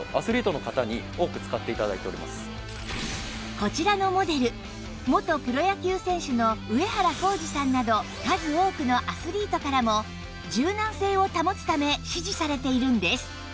こちらのモデル元プロ野球選手の上原浩治さんなど数多くのアスリートからも柔軟性を保つため支持されているんです